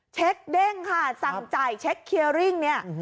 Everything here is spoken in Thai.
เช็คเด้งค่ะสั่งจ่ายเช็คเคียริ่งเนี่ย